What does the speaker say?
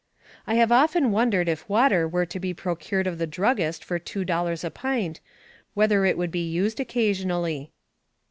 I have often wondered if water were to be procured of the druggist for two dol lars a pint whether it would be used occasion ally.